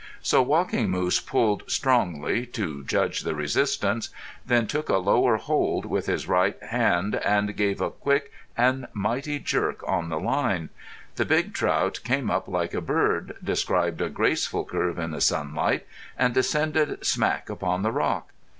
So Walking Moose pulled strongly, to judge the resistance, then took a lower hold with his right hand and gave a quick and mighty jerk on the line. The big trout came up like a bird, described a graceful curve in the sunlight, and descended smack upon the rock.